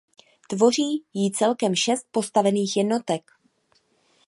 Tvoří ji celkem šest postavených jednotek.